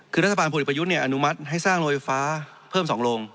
คือรัฐบาลผลิตประยุทธ์เนี่ยอนุมัติให้สร้างลงไฟฟ้าเพิ่ม๒โลง